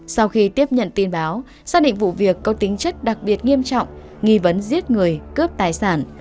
sau khi tiếp nhận tin báo xác định vụ việc có tính chất đặc biệt nghiêm trọng nghi vấn giết người cướp tài sản